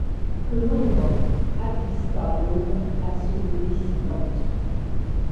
Que l'ombre attristât l'aube à se lever si lente